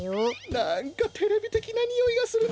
なんかテレビてきなにおいがするな。